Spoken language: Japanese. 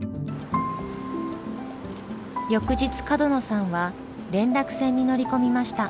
翌日角野さんは連絡船に乗り込みました。